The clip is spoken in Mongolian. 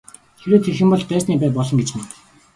Хэрвээ тэгэх юм бол дайсны бай болно гэж мэд.